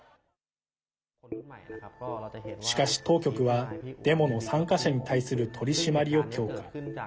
しかし当局はデモの参加者に対する取り締まりを強化。